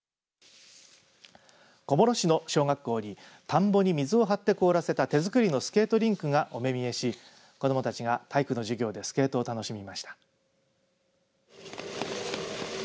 小諸市の小学校に田んぼに水を張って凍らせた手作りのスケートリンクがお目見えし子どもたちが体育の授業でスケートを楽しみました。